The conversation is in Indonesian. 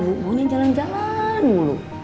bukannya jalan jalan mulu